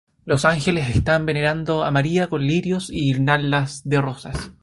Los ángeles están venerando a María con lirios y guirnaldas de rosas.